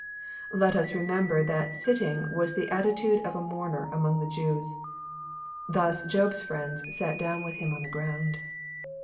Let us remember that ''sitting" was the attitude of a mourner, among the Jews. Thus Job's fHends " sat down with him on the ground."